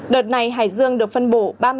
đợt này hải dương được phân bổ